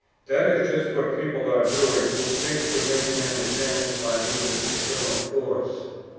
That is just what people are doing who think to make men advance by means of external force.